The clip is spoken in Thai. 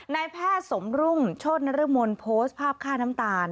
นายแพทย์สมรุ่งโชธนรมนโพสต์ภาพค่าน้ำตาล